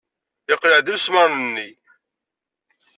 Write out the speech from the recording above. Yeqleɛ-d imesmaṛen-nni.